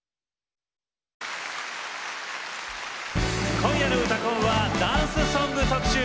今夜の「うたコン」はダンスソング特集。